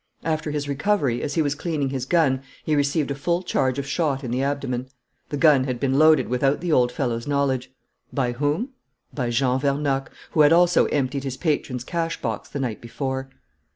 After his recovery, as he was cleaning his gun, he received a full charge of shot in the abdomen. The gun had been loaded without the old fellow's knowledge. By whom? By Jean Vernocq, who had also emptied his patron's cash box the night before